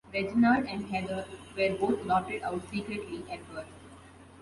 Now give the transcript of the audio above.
Reginald and Heather were both adopted out secretly at birth.